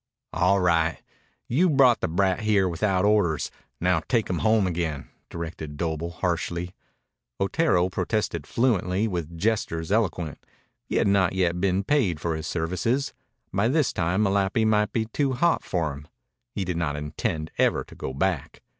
"All right. You brought the brat here without orders. Now take him home again," directed Doble harshly. Otero protested fluently, with gestures eloquent. He had not yet been paid for his services. By this time Malapi might be too hot for him. He did not intend ever to go back.